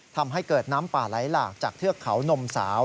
ทำให้เกิดน้ำป่าไหลหลากจากเทือกเขานมสาว